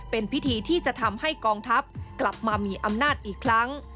เป็นพิธีที่จะทำให้กองทัพกลับมามีอำนาจอีกครั้ง